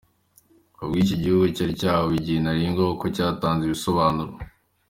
Ku bw’ibyo iki gihugu cyari cyahawe igihe ntarengwa kuba cyatanze ibisobanuro.